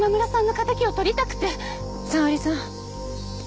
沙織さん